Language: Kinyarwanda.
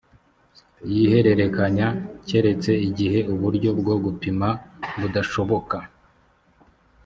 yihererekanya keretse igihe uburyo bwo gupima budashoboka